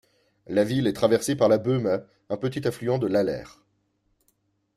La ville est traversée par la Böhme, un petit affluent de l'Aller.